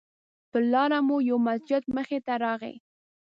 پر لاره مو یو مسجد مخې ته راغی.